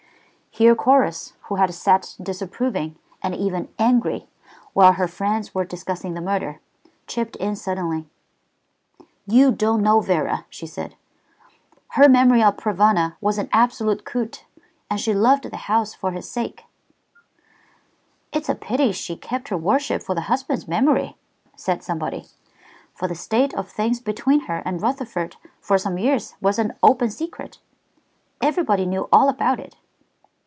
Here Chorus, who had sat disapproving and even angry while her friends were discussing the murder, chipped in suddenly. "You don't know Vera," she said. "Her memory of Provana was an absolute culte, and she loved the house for his sake." "It's a pity she kept her worship for the husband's memory," said somebody. "For the state of things between her and Rutherford for some years was an open secret. Everybody knew all about it."